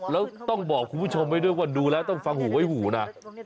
แล้วต้องบอกคุณผู้ชมไว้ด้วยว่าดูแล้วต้องฟังหูไว้หูนะ